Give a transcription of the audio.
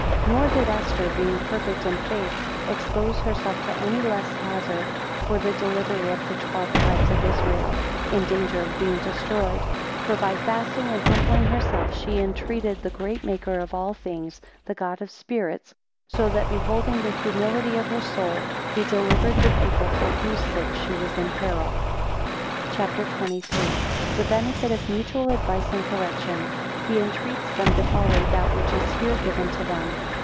24 Nor did Esther, being perfect in faith, expose herself to any less hazard, for the delivery of the twelve tribes of Israel, in danger of being destroyed. For by fasting and humbling herself, she entreated the Great Maker of all things, the God of spirits; so that beholding the humility of her soul, he delivered the people, for whose sake she was in peril. CHAPTER XXIII. The benefit of mutual advice and correction. He entreats them to follow that which is here given to them.